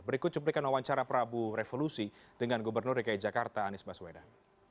berikut cuplikan wawancara prabu revolusi dengan gubernur dki jakarta anies baswedan